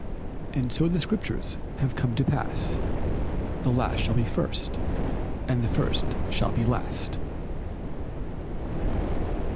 And so the Scriptures had come to pass "The last shall be first and the first shall be last."